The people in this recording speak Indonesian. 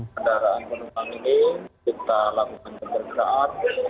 kendaraan penumpang ini kita lakukan dengan berkaat